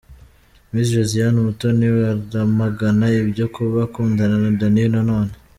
Miss Josiane Umutoni aramagana ibyo kuba akundana na Danny Nanone.